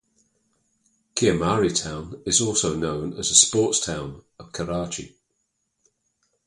Kiamari Town is also known as the 'Sports Town' of Karachi.